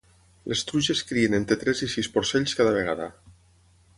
Les truges crien entre tres i sis porcells cada vegada.